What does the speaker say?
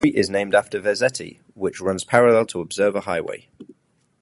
A street is named after Vezzetti, which runs parallel to Observer Highway.